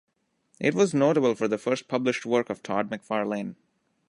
It was notable for the first published work of Todd McFarlane.